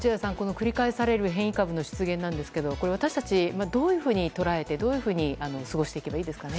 繰り返される変異株の出現ですが私たち、どういうふうに捉えてどう過ごしていけばいいですかね。